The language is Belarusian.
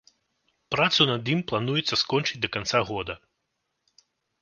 Працу над ім плануецца скончыць да канца года.